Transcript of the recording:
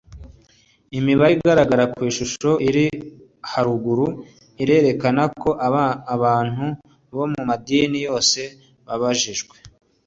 Imibare igaragara ku ishusho iri haruguru irerekana ko abantu bo mu madini yose babajijwe